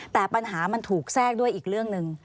แต่ปัญหามันถูกแทรกด้วยอีกเรื่องหนึ่ง